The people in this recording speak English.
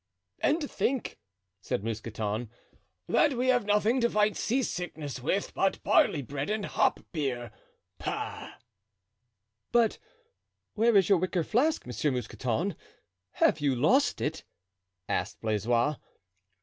"And to think," said Mousqueton, "that we have nothing to fight seasickness with but barley bread and hop beer. Pah!" "But where is your wicker flask, Monsieur Mousqueton? Have you lost it?" asked Blaisois.